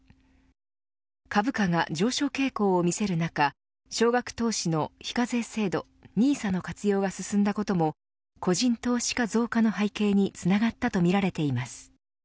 株価が上昇傾向を見せる中少額投資の非課税制度ＮＩＳＡの活用が進んだことも個人投資家増加の背景につながったとみられています。